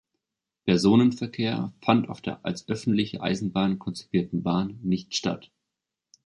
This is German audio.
Personenverkehr fand auf der als öffentliche Eisenbahn konzipierten Bahn nicht statt.